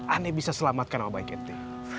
aku bisa selamatkan anak baik aku